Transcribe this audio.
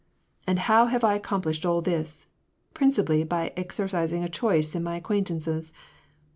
" And how have I accomplished all this ; principally; by exer cising a choice in my acquaintances.